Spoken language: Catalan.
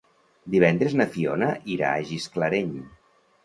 Divendres na Fiona irà a Gisclareny.